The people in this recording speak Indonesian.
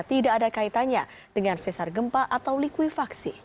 tidak ada kaitannya dengan sesar gempa atau likuifaksi